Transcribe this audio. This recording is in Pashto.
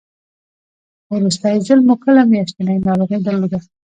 وروستی ځل مو کله میاشتنۍ ناروغي درلوده؟